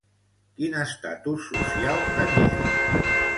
Quin estatus social tenia?